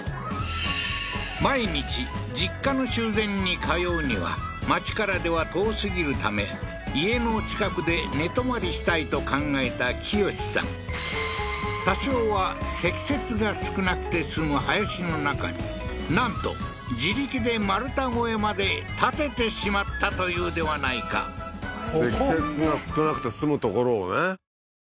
毎日実家の修繕に通うには町からでは遠すぎるため家の近くで寝泊まりしたいと考えた清司さん多少は積雪が少なくて済む林の中になんと自力で丸太小屋まで建ててしまったというではないかここ？